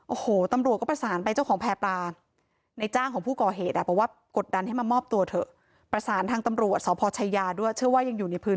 โอ้โหะตำรวจก็ประสานไปเจ้าของแผ่ปลาในจ้างของผู้ก่อเหตุอ่ะ